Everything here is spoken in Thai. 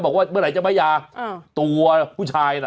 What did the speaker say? บอกว่าเมื่อไหร่จะไม่ยาตัวผู้ชายน่ะ